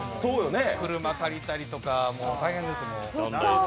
車借りたりとか、大変ですよ、もう。